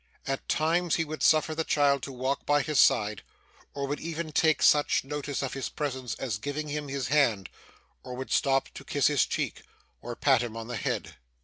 At times he would suffer the child to walk by his side, or would even take such notice of his presence as giving him his hand, or would stop to kiss his cheek, or pat him on the head.